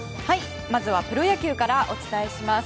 まずはプロ野球からお伝えします。